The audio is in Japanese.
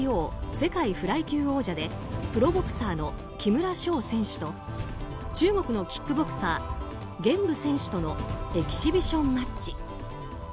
世界フライ級王者でプロボクサーの木村翔選手と中国のキックボクサー玄武選手とのエキシビションマッチ。